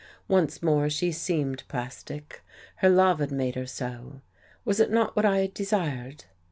Once more she seemed plastic; her love had made her so. Was it not what I had desired?